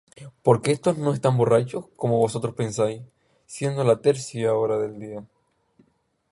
Porque éstos no están borrachos, como vosotros pensáis, siendo la hora tercia del día;